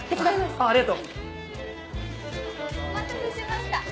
あぁありがとう。お待たせしました。